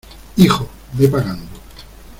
hijo, ve pagando...